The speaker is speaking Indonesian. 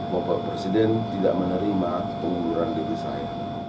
bapak presiden tidak menerima pengunduran diri saya